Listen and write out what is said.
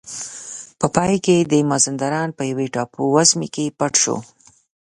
په پای کې د مازندران په یوې ټاپو وزمې کې پټ شو.